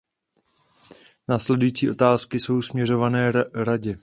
Následující otázky jsou směřované Radě.